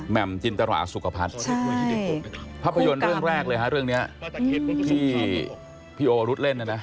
มจินตราสุขภัทรภาพยนตร์เรื่องแรกเลยฮะเรื่องนี้ที่พี่โอวรุธเล่นนะนะ